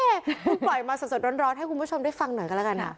คุณปล่อยมาสดร้อนให้คุณผู้ชมได้ฟังหน่อยกันแล้วกันค่ะ